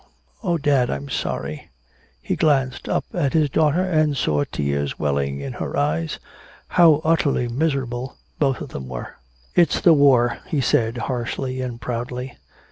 Oh, dad. I'm sorry." He glanced up at his daughter and saw tears welling in her eyes. How utterly miserable both of them were. "It's the war," he said harshly and proudly.